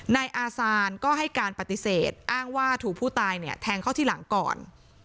นายอาซานก็ให้การปฏิเสธอ้างว่าถูกผู้ตายเนี่ยแทงเข้าที่หลังก่อน